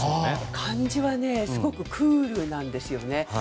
漢字はすごくクールなんですよね。